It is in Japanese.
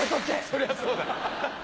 そりゃそうだ。